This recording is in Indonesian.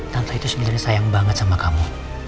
tante itu sebenernya sayang banget sama kamu